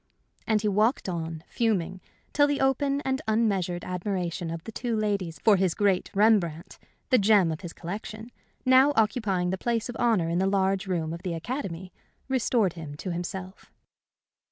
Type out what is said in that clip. And he walked on, fuming, till the open and unmeasured admiration of the two ladies for his great Rembrandt, the gem of his collection, now occupying the place of honor in the large room of the Academy, restored him to himself.